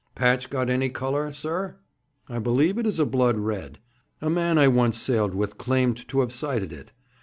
'Patch got any colour, sir?' 'I believe it is a blood red. A man I once sailed with claimed to have sighted it.